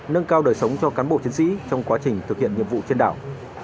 nâng cao đời sống cho cán bộ chiến sĩ trong quá trình thực hiện nhiệm vụ trên đảo